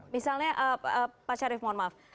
misalnya pak syarif mohon maaf